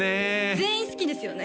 全員好きですよね